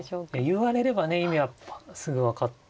言われればね意味はすぐ分かって。